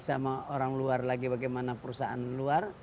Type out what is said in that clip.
sama orang luar lagi bagaimana perusahaan luar